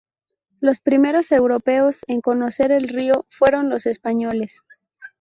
Los primeros europeos en conocer el río fueron los españoles.